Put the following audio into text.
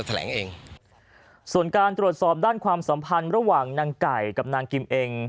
ตรวจสอบด้านความสัมพันธ์ระหว่างนางไก่กับนางกิ๊มเอง